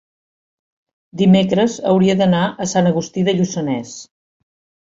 dimecres hauria d'anar a Sant Agustí de Lluçanès.